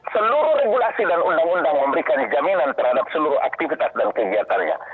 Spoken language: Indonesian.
seluruh regulasi dan undang undang memberikan jaminan terhadap seluruh aktivitas dan kegiatannya